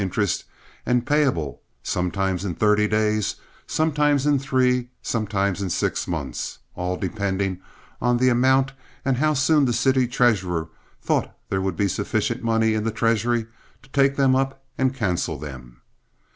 interest, and payable sometimes in thirty days, sometimes in three, sometimes in six months—all depending on the amount and how soon the city treasurer thought there would be sufficient money in the treasury to take them up and cancel them.